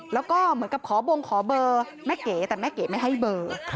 แล้วก็เหมือนกับขอบงขอเบอร์แม่เก๋แต่แม่เก๋ไม่ให้เบอร์